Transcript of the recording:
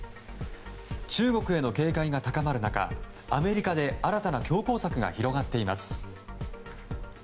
中国への警戒が高まる中アメリカで新たな強硬策が広がっています。